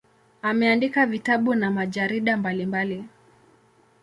Ameandika vitabu na majarida mbalimbali.